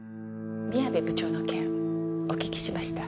宮部部長の件お聞きしました。